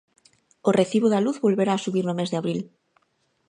O recibo da luz volverá subir no mes de abril.